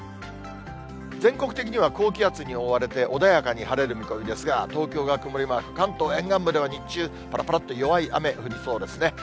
全国的には高気圧に覆われて、穏やかに晴れる見込みですが、東京が曇りマーク、関東沿岸部では日中、ぱらぱらっと弱い雨、降りそうですね。